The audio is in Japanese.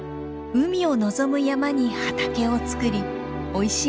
海を望む山に畑を作りおいしい